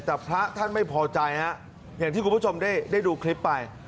แต่พระท่านไม่พอใจฮะอย่างที่คุณผู้ชมได้ดูคลิปไป